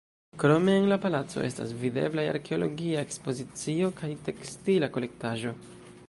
Krome en la palaco estas videblaj arkeologia ekspozicio kaj tekstila kolektaĵo.